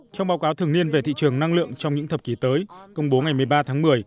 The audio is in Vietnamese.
trong báo cáo thường niên về thị trường năng lượng trong những thập kỷ tới công bố ngày một mươi ba tháng một mươi